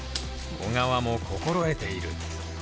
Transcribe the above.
緒川も心得ている。